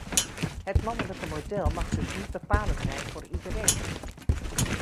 Het mannelijke model mag dus niet bepalend zijn voor iedereen.